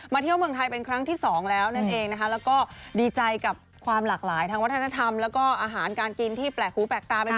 เที่ยวเมืองไทยเป็นครั้งที่สองแล้วนั่นเองนะคะแล้วก็ดีใจกับความหลากหลายทางวัฒนธรรมแล้วก็อาหารการกินที่แปลกหูแปลกตาไปหมด